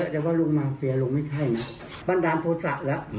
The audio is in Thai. ใช่ไงพี่ห่วย